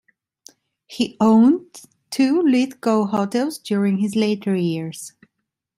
He owned two Lithgow hotels during his later years.